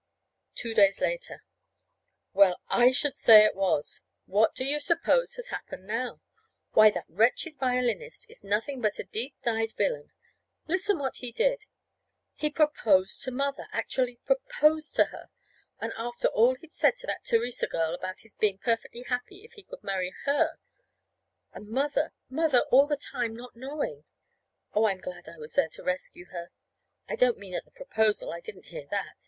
Two days later. Well, I should say it was! What do you suppose has happened now? Why, that wretched violinist is nothing but a deep dyed villain! Listen what he did. He proposed to Mother actually proposed to her and after all he'd said to that Theresa girl, about his being perfectly happy if he could marry her. And Mother Mother all the time not knowing! Oh, I'm so glad I was there to rescue her! I don't mean at the proposal I didn't hear that.